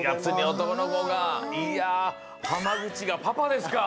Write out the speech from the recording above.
いや濱口がパパですか。